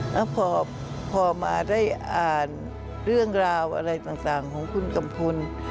แล้วพอมาได้อ่านเรื่องราวอะไรต่างของคุณกัมพล